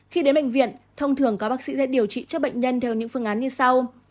khi đến bệnh viện thông thường các bác sĩ sẽ điều trị cho bệnh nhân theo những phương án như sau